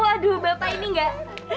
waduh bapak ini nggak